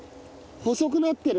細くなってる！